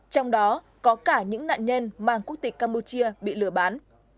trong đó có cả những nạn nhân mang quốc tịch campuchia bị lừa bán